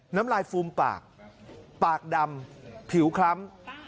น้ำลายฟูมปากปากดำผิวคล้ำ